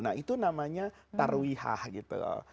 nah itu namanya tarwihah gitu loh